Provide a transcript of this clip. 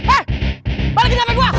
eh balikin hape gua